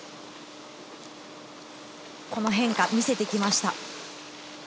この変化、見せてきました。